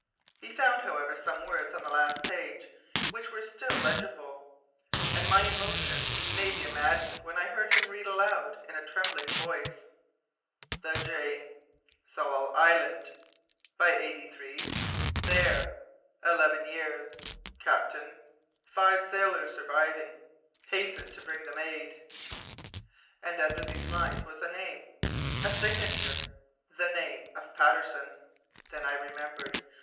He found, however, some words on the last page which were still legible, and my emotion may be imagined when I heard him read aloud in a trembling voice: "The Jane ... Tsalal island ... by eighty three ... There ... eleven years ... Captain ... five sailors surviving ... Hasten to bring them aid." And under these lines was a name, a signature, the name of Patterson! Then I remembered!